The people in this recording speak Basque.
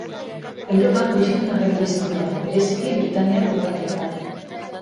Europan gutxitan agertu izan dira, bereziki Britainiar uharteetan.